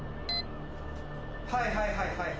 はいはいはいはい。